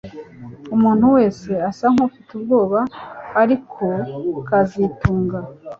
Umuntu wese asa nkufite ubwoba ariko kazitunga